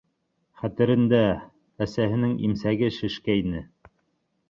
Хәтерендә, әсәһенең имсәге шешкәйне.